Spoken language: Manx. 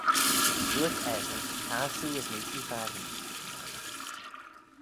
"Dooyrt eshyn; ""Tar shiu as nee shiu fakin."